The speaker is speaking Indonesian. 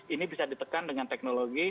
ini bisa ditekan dengan teknologi